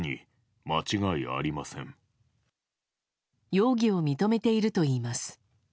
容疑を認めているといいます。